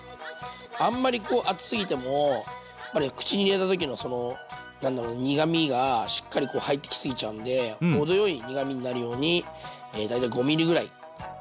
あんまり厚すぎてもやっぱり口に入れた時のその何だろ苦みがしっかり入ってきすぎちゃうんで程よい苦みになるように大体５ｍｍぐらい。